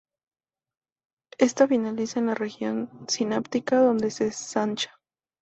Ésta finaliza en la región sináptica, donde se ensancha.